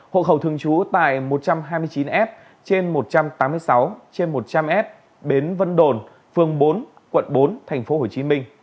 hộ khẩu thường trú tại một trăm hai mươi chín f trên một trăm tám mươi sáu trên một trăm linh f bến vân đồn phường bốn quận bốn tp hcm